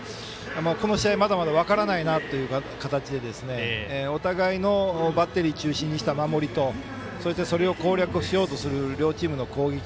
この試合、まだまだ分からないなという形でお互いのバッテリー中心にした守りとそれを攻略しようとする両チームの攻撃